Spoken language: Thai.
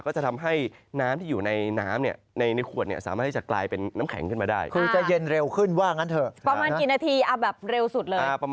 ก็จะทำให้น้ำที่อยู่ในน้ำในขวด